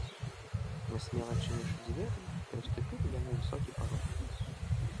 Нясмела адчыніўшы дзверы, пераступілі яны высокі парог.